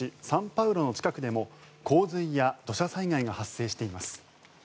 サンパウロの近くでも洪水や土砂災害が発生しています。